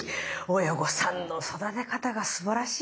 親御さんの育て方がすばらしいな。